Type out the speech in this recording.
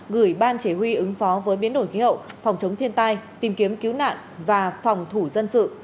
gửi ban chỉ huy ứng phó với biến đổi khí hậu phòng chống thiên tai tìm kiếm cứu nạn và phòng thủ dân sự